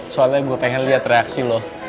soalnya gue pengen liat reaksi lo